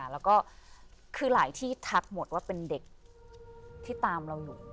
แล้วก็คือหลายที่ทักหมดว่าเป็นเด็กที่ตามเราอยู่